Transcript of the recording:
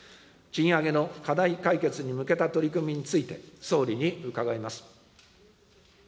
賃上げの課題解決に向けた取り組みについて、総理に伺います。